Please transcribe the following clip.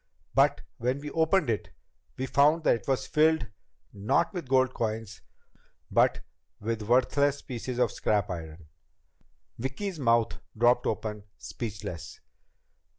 But when we opened it, we found that it was filled not with the gold coins but with worthless pieces of scrap iron." Vicki's mouth dropped open, speechless.